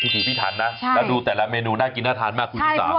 พี่ทีพี่ทานลาดูแต่ละเมนูได้กินละทานมา